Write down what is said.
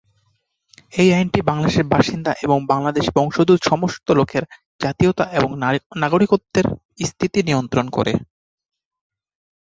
এই আইনটি বাংলাদেশের বাসিন্দা এবং বাংলাদেশী বংশোদ্ভূত সমস্ত লোকের জাতীয়তা এবং নাগরিকত্বের স্থিতি নিয়ন্ত্রণ করে।